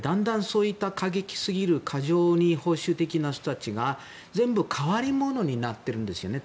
そういった過激すぎる過剰に保守的な人たちが全部、変わり者になっているんですね。